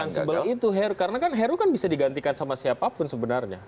apakah se indispensable itu heru karena kan heru bisa digantikan sama siapa pun sebenarnya